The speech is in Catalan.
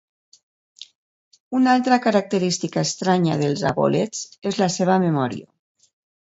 Una altra característica estranya dels aboleths és la seva memòria.